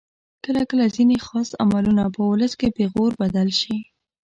کله کله ځینې خاص عملونه په ولس کې پیغور بدل شي.